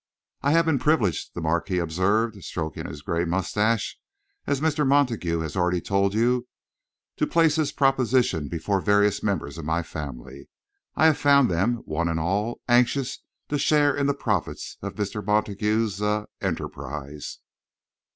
"I have been privileged," the Marquis observed, stroking his grey moustache, "as Mr. Montague has already told you, to place his proposition before various members of my family. I have found them, one and all, anxious to share in the profits of Mr. Montague's er enterprise."